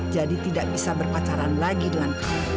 jadi tidak bisa berpacaran lagi dengan kamu